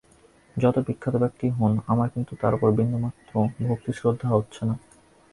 যত বিখ্যাত ব্যক্তিই হোন, আমার কিন্তু তাঁর উপর বিন্দুমাত্র ভক্তি-শ্রদ্ধা হচ্ছে না।